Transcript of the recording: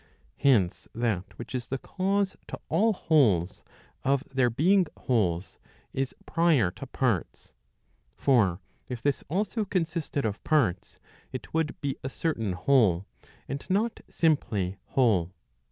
Hence, that which is the cause to all wholes of their being wholes, is prior to parts. For if this also consisted of parts, it would be a certain whole, and not simply whole.